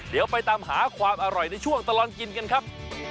เดี๋ยวไปตามหาความอร่อยในช่วงตลอดกินกันครับ